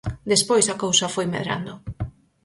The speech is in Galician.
Despois a cousa foi medrando.